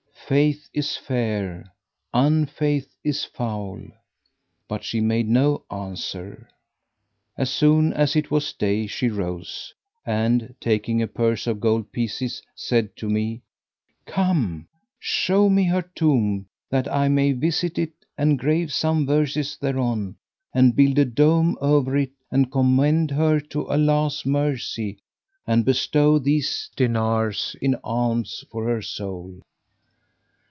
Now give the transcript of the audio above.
'Faith is fair! Unfaith is foul!'" But she made no answer. As soon as it was day she rose and, taking a purse of gold pieces, said to me, "Come, show me her tomb, that I may visit it and grave some verses thereon and build a dome over it and commend her to Allah's mercy and bestow these dinars in alms for her soul."